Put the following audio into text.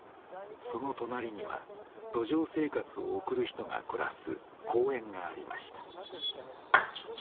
その隣には路上生活を送る人が暮らす公園がありました。